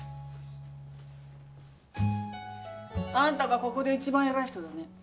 あんたがここで一番偉い人だね。